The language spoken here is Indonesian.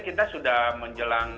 kita sudah menjelang